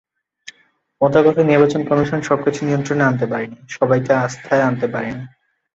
মোদ্দা কথা, নির্বাচন কমিশন সবকিছু নিয়ন্ত্রণে আনতে পারেনি, সবাইকে আস্থায় আনতে পারেনি।